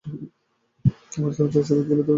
আমার আচরণ তারা স্বাভাবিক বলেই ধরে নিয়েছে।